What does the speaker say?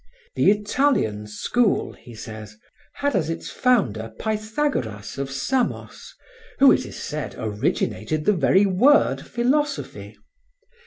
"The Italian school," he says, "had as its founder Pythagoras of Samos, who, it is said, originated the very word 'philosophy.'